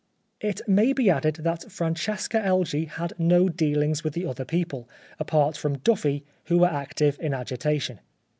It may be added that Francesca Elgee had no dealings with the other people, apart from Duffy, who were active in agitation.